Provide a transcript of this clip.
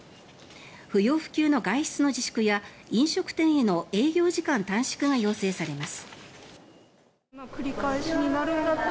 不要不急の外出の自粛や飲食店への営業時間短縮が要請されます。